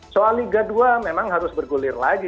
soal liga dua memang harus bergulir lagi